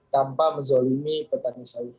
tanpa menzalimi petani sayur